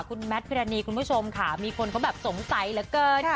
คุณแมทพิรณีคุณผู้ชมค่ะมีคนเขาแบบสงสัยเหลือเกิน